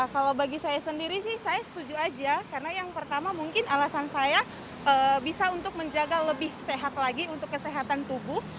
kalau bagi saya sendiri sih saya setuju aja karena yang pertama mungkin alasan saya bisa untuk menjaga lebih sehat lagi untuk kesehatan tubuh